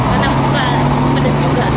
karena aku suka pedas juga